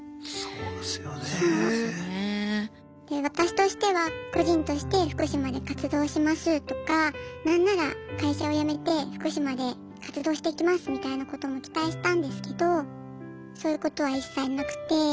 私としては「個人として福島で活動します」とか何なら「会社を辞めて福島で活動していきます」みたいなことも期待したんですけどそういうことは一切なくて。